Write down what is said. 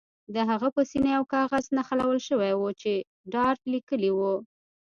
د هغه په سینه یو کاغذ نښلول شوی و چې ډارت لیکلي وو